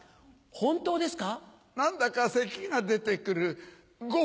本当ですか？